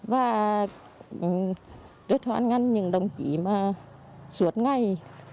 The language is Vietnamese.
và rất hoàn ngăn những đồng chí mà suốt ngày